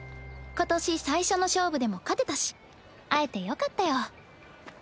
今年最初の勝負でも勝てたし会えてよかったよ。